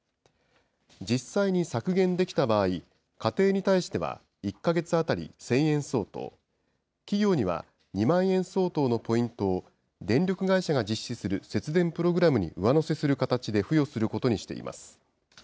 実際に削減できた場合、家庭に対しては１か月当たり１０００円相当、企業には２万円相当のポイントを電力会社が実施する節電プログラムに上乗せする形で付与することにしています。